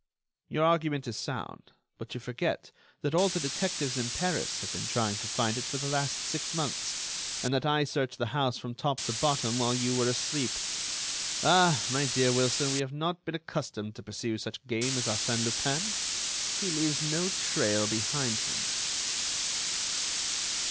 "Your argument is sound, but you forget that all the detectives in Paris have been trying to find it for the last six months, and that I searched the house from top to bottom while you were asleep. Ah! my dear Wilson, we have not been accustomed to pursue such game as Arsène Lupin. He leaves no trail behind him."